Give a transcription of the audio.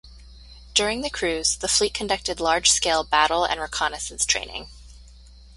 During the cruise, the fleet conducted large scale battle and reconnaissance training.